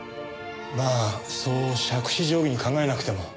まあそう杓子定規に考えなくても。